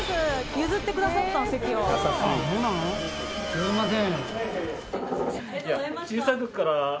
すいません。